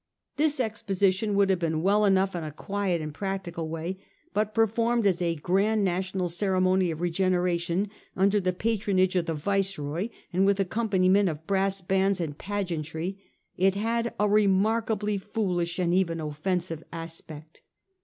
This exposition would have been well enough in a quiet and practical way, but performed as a grand national ceremony of regeneration, under the patronage of the Viceroy, and with accompaniment of brass bands and pageantry, it had a remarkably foolish and even offensive aspect.